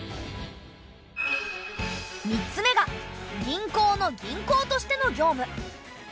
３つ目が銀行の銀行としての業務。